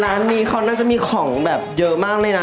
ร้านนี้เขาน่าจะมีของแบบเยอะมากเลยนะ